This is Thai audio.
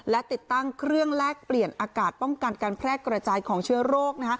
และติดตั้งเครื่องแลกเปลี่ยนอากาศป้องกันการแพร่กระจายของเชื้อโรค